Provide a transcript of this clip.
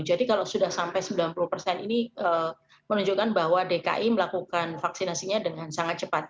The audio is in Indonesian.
jadi kalau sudah sampai sembilan puluh persen ini menunjukkan bahwa dki melakukan vaksinasinya dengan sangat cepat